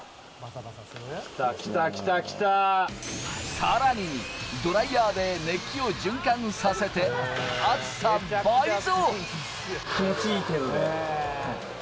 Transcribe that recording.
さらに、ドライヤーで熱気を循環させて、アツさ倍増！